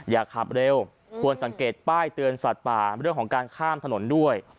อย่าขับเร็วควรสังเกตป้ายเตือนสัตว์ป่าเรื่องของการข้ามถนนด้วย